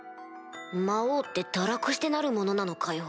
魔王って堕落してなるものなのかよ。